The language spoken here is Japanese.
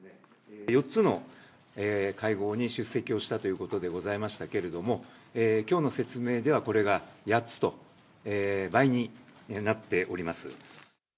４つの会合に出席をしたということでございましたけれども、きょうの説明では、これが８つと、倍になっております。